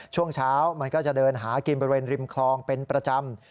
ช่วงเช้ามันก็จะเดินหากินบริเวณริมคลองเป็นประจำ